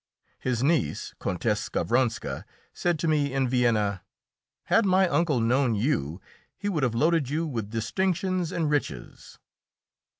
His niece, Countess Skavronska, said to me in Vienna, "Had my uncle known you, he would have loaded you with distinctions and riches."